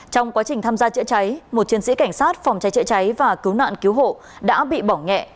trong quá trình tham gia chữa cháy một chiến sĩ cảnh sát phòng cháy chữa cháy và cứu nạn cứu hộ đã bị bỏ nghẹ